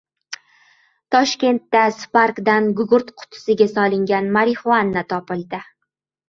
Toshkentda "Spark" dan gugurt qutisiga solingan “marixuana” topildi